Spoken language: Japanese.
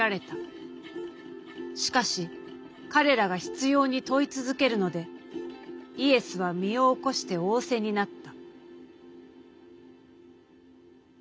しかし彼らが執拗に問い続けるのでイエスは身を起こして仰せになった」。